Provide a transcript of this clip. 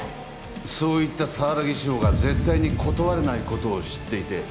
そう言った沢良宜志法が絶対に断れない事を知っていて。